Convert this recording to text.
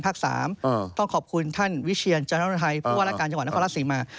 ไปต้องขอบคุณท่านวิเชียนจรัฐนายทวัตรการรัฐศีรมา